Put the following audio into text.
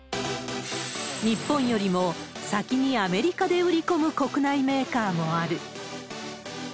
日本よりも先にアメリカで売り込む国内メーカーもある。